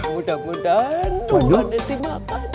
mudah mudahan umpannya dimakan